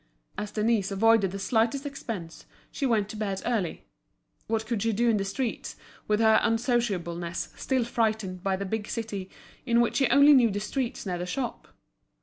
As Denise avoided the slightest expense, she went to bed early. What could she do in the streets, with her unsociableness, still frightened by the big city in which she only knew the streets near the shop?